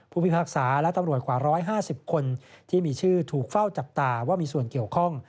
พิพากษาและตำรวจกว่า๑๕๐คนที่มีชื่อถูกเฝ้าจับตาว่ามีส่วนเกี่ยวข้อง